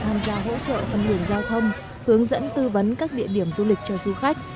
huyện sapa cũng tham gia hỗ trợ phần đường giao thông hướng dẫn tư vấn các địa điểm du lịch cho du khách